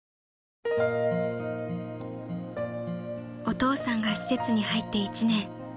［お父さんが施設に入って１年］